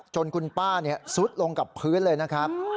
จนคุณป้าซุดลงกับพื้นเลยนะครับ